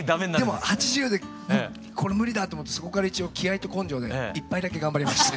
でも８０でこれ無理だと思ってそこから一応気合いと根性で１杯だけ頑張りました。